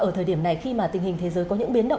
ở thời điểm này khi mà tình hình thế giới có những biến động